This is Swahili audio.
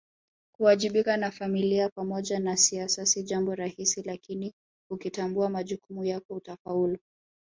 Kuwajibika na Familia pamoja na siasa si jambo rahisi lakini ukitambua majukumu yako utafaulu